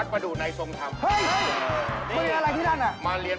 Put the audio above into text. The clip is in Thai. เด้นไหมคะเด้นมาเลย